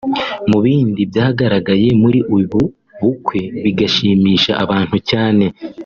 Mu bindi byagaragaye muri ubu bukwe bigashimisha abantu cyane